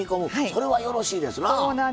それはよろしいですな。